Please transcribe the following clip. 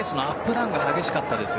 ダウンが激しかったです。